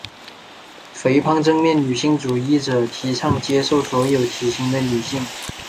肥胖正面女性主义者提倡接受所有体型的女性。